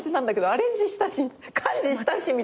アレンジしたし幹事したしみたいな。